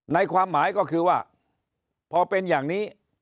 ในความหมายก็คือว่าพอเป็นอย่างนี้